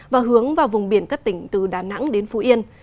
và hướng vào vùng biển các tỉnh từ đà nẵng đến phú yên